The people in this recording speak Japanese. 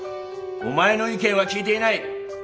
お前の意見は聞いていない。